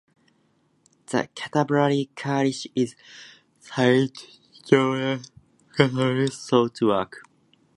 The cathedral church is Saint George's Cathedral, Southwark.